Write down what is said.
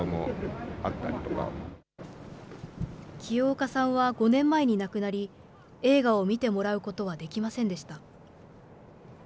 清岡さんは５年前に亡くなり、映画を見てもらうことはできませんでした。